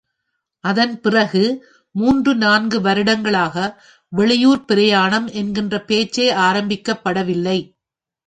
அதன் பிறகு மூன்று நான்கு வருடங்களாக, வெளியூர்ப் பிரயாணம் என்கிற பேச்சே ஆரம்பிக்கப்படவில்லை.